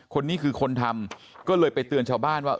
คนนี้คือคนทำก็เลยไปเตือนชาวบ้านว่า